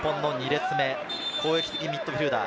日本の２列目、攻撃的ミッドフィルダー。